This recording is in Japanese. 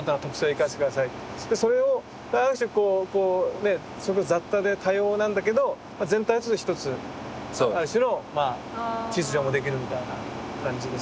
それをある種こう雑多で多様なんだけど全体で一つある種のまあ秩序もできるみたいな感じですかね。